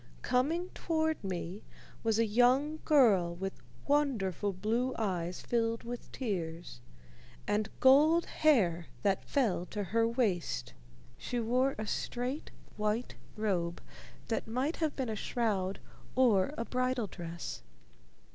Coming toward me was a young girl with wonderful blue eyes filled with tears and gold hair that fell to her waist. She wore a straight, white robe that might have been a shroud or a bridal dress.